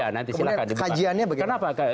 kemudian kajiannya bagaimana